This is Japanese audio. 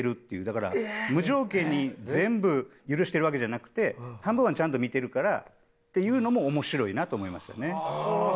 だから無条件に全部許してるわけじゃなくて半分はちゃんと見てるからっていうのも面白いなと思いましたね。